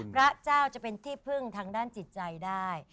พระเจ้าจะเป็นที่พึ่งทางด้านจิตใจได้